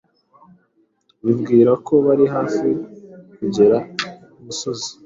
bibwira ko bari hafi kugera imusozi.